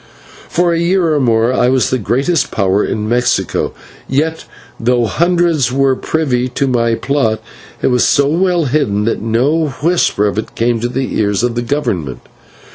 For a year or more I was the greatest power in Mexico, and yet, though hundreds were privy to my plot, it was so well hidden that no whisper of it came to the ears of the Government.